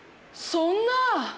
そんな！